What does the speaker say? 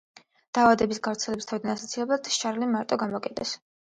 დაავადების გავრცელების თავიდან ასაცილებლად შარლი მარტო გამოკეტეს.